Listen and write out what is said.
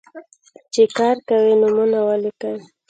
چې کار کوي، نومونه ولیکئ.